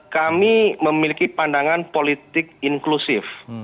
kami memiliki pandangan politik inklusif